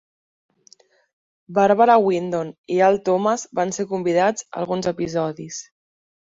Barbara Wyndon i Al Thomas van ser convidats a alguns episodis.